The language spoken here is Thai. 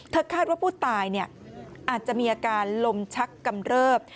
คาดว่าผู้ตายอาจจะมีอาการลมชักกำเริบ